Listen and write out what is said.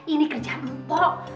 ini kerjaan mpo